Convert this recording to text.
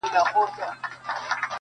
يې ه ځكه مو په شعر كي ښكلاگاني دي.